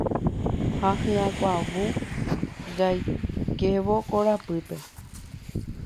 ha hyakuãvu jaikévo korapýpe